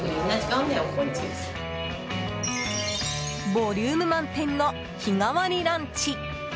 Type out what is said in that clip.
ボリューム満点の日替わりランチ。